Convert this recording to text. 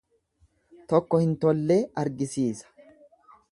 Tokko hin tollee argisiisa.